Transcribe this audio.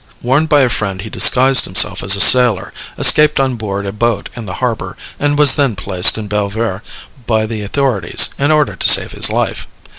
Warned by a friend, he disguised himself as a sailor, escaped on board a boat in the harbor, and was then placed in Belver by the authorities, in order to save his life.